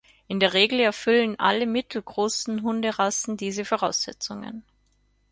In der Regel erfüllen alle mittelgroßen Hunderassen diese Voraussetzungen.